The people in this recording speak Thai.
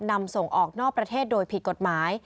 นำส่งออกนอกประเทศโดยผิดกฎหมาย